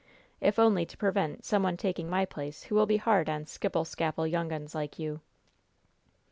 If only to pervent some one taking my place who will be hard on skipple skapple young uns like you."